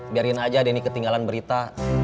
biarin aja denny ketinggalan berita